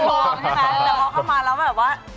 แต่พอเข้ามาแล้วแบบว่า